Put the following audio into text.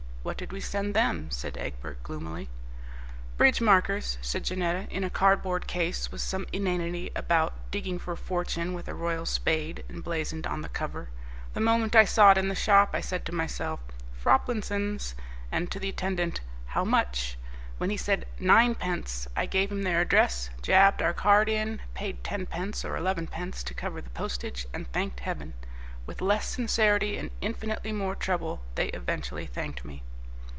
"What did we send them?" asked Egbert gloomily. "Bridge markers," said Janetta, "in a cardboard case, with some inanity about 'digging for fortune with a royal spade' emblazoned on the cover. The moment I saw it in the shop I said to myself 'Froplinsons' and to the attendant 'How much?' When he said 'Ninepence,' I gave him their address, jabbed our card in, paid tenpence or elevenpence to cover the postage, and thanked heaven. With less sincerity and infinitely more trouble they eventually thanked me."